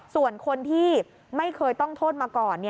ส่วนคนที่ไม่เคยต้องโทษมาก่อน